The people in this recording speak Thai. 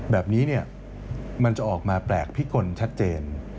แบบนี้มันจะออกมาแปลกพิกลชัดเจน